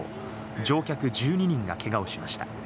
乗客１２人がけがをしました。